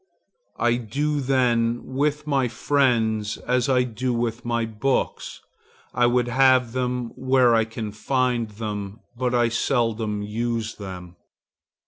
I do then with my friends as I do with my books. I would have them where I can find them, but I seldom use them.